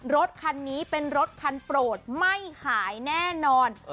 รถคันนี้เป็นรถคันโปรดไม่ขายแน่นอน